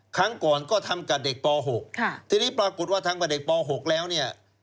ครั้งก่อนก็ทำกับเด็กป๖ทีนี้ปรากฏว่าทั้งเมื่อเด็กป๖แล้วเนี่ย